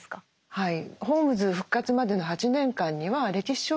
はい。